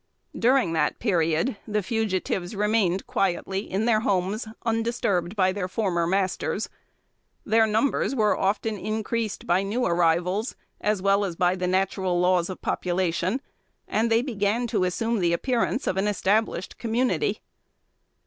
During that period, the fugitives remained quietly in their homes, undisturbed by their former masters. Their numbers were often increased by new arrivals, as well as by the natural laws of population, and they began to assume the appearance of an established community.